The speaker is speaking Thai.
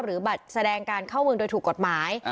บัตรแสดงการเข้าเมืองโดยถูกกฎหมาย